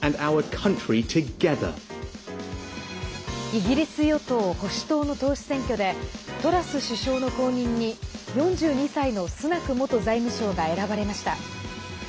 イギリス与党・保守党の党首選挙でトラス首相の後任に４２歳のスナク元財務相が選ばれました。